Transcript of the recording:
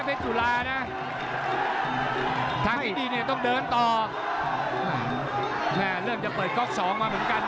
จุฬานะทางที่ดีเนี่ยต้องเดินต่อแม่เริ่มจะเปิดก๊อกสองมาเหมือนกัน